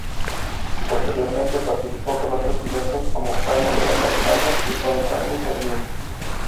Posteriormente participó con otros pilotos como Juan Manuel Lazcano y Juan Carlos Sarmiento.